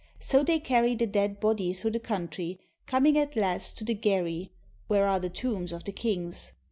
So they carry the dead body through the country, coming at last to the Gerrhi, where are the tombs of the kings.